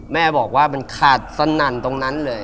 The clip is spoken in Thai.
แม่บอกว่ามันขาดสนั่นตรงนั้นเลย